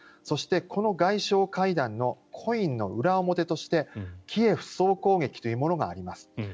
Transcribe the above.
そしてこの外相会談のコインの裏表としてキエフ総攻撃というものがあります。